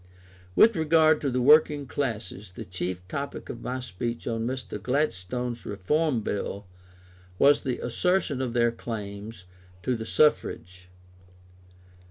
With regard to the working classes, the chief topic of my speech on Mr. Gladstone's Reform Bill was the assertion of their claims to the suffrage.